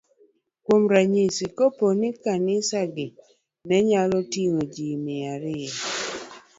Kuom ranyisi, kapo ni kanisagi ne nyalo ting'o ji mia ariyo,